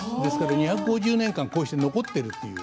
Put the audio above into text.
２５０年間こうして残っている。